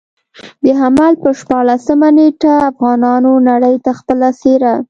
د حمل پر شپاړلسمه نېټه افغانانو نړۍ ته خپله څېره.